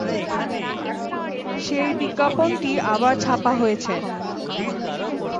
সেই বিজ্ঞাপনটি আবার ছাপা হয়েছে।